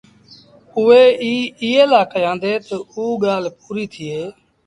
اُئي ايٚ ايٚئي لآ ڪهيآندي تا اوٚ ڳآل پوريٚ ٿئي